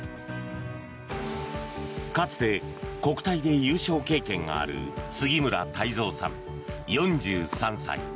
かつて国体で優勝経験がある杉村太蔵さん、４３歳。